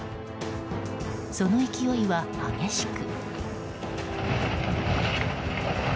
その勢いは激しく。